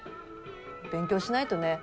勉強しないとね。